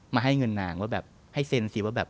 มาให้เงินนางว่าแบบให้เซ็นสิว่าแบบ